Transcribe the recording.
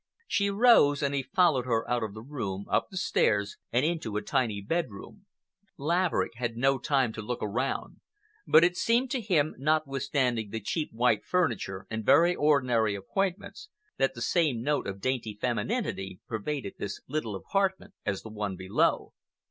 She rose and he followed her out of the room, up the stairs, and into a tiny bedroom. Laverick had no time to look around, but it seemed to him, notwithstanding the cheap white furniture and very ordinary appointments, that the same note of dainty femininity pervaded this little apartment as the one below.